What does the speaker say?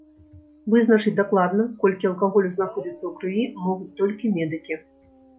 Вызначыць дакладна, колькі алкаголю знаходзіцца ў крыві, могуць толькі медыкі.